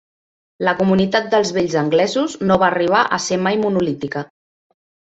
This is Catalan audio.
La comunitat dels Vells anglesos no va arribar a ser mai monolítica.